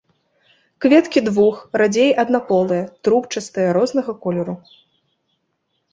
Кветкі двух-, радзей аднаполыя, трубчастыя, рознага колеру.